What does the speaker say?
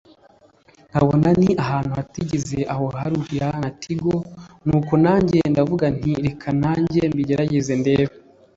nkabona ni abantu batagize aho bahurira na Tigo nuko nanjye ndavuga nti reka nanjye mbigerageze ndebe